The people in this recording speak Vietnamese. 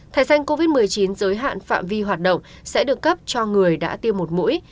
thời gian covid một mươi chín giới hạn phạm vi hoạt động sẽ được cấp cho người đã tiêm một mũi